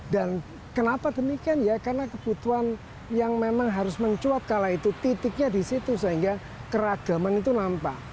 dan kenapa demikian karena kebutuhan yang memang harus mencuat kala itu titiknya di situ sehingga keragaman itu nampak